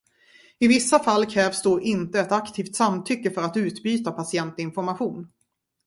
I vissa fall krävs då inte ett aktivt samtycke för att utbyta patientinformation.